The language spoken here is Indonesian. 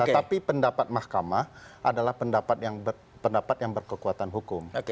tapi pendapat mahkamah adalah pendapat yang berkekuatan hukum